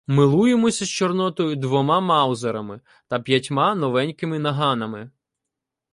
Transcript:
Милуємося з Чорнотою двома "Маузерами" та п'ятьма новенькими "Наганами".